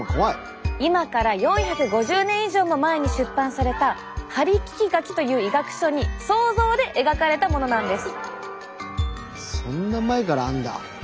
今から４５０年以上も前に出版された「針聞書」という医学書に想像で描かれたものなんです。